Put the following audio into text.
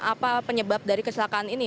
apa penyebab dari kecelakaan ini